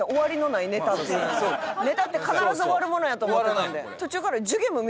ネタって必ず終わるものやと思ってたんで。